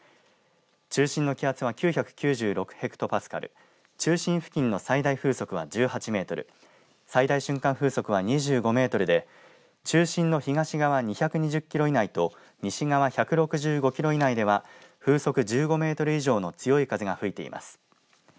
中心の気圧は９９６ヘクトパスカル、中心付近の最大風速は１８メートル、最大瞬間風速は２５メートルで中心の東側２２０キロ以内と西側１６５キロ以内では風速１５メートル以上の強い風が吹いています。